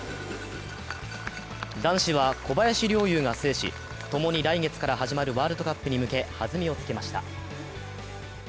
男子は小林陵侑が制し、共に来月から始まるワールドカップに向けはずみをつけました。